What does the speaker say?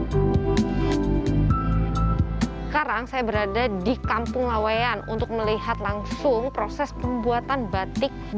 hai sekarang saya berada di kampung awean untuk melihat langsung proses pembuatan batik di sini